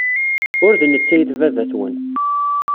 Ur d netta ay d baba-twen.